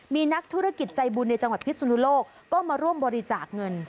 มีนักธุรกิจใจบุญในจังหวัดพิศนุโลกก็มาร่วมบริจาคเงิน